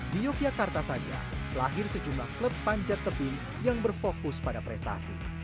di yogyakarta saja lahir sejumlah klub panjat tebing yang berfokus pada prestasi